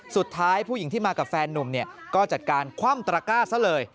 สุดท้ายผู้หญิงที่มากับแฟนนุ่มก็จัดการคว่ำตระก้าซะเลย